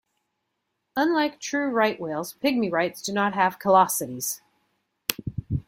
Unlike true right whales, pygmy rights do not have callosities.